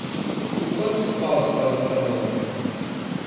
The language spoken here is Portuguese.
Com quantos paus se faz uma canoa?